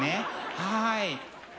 はい。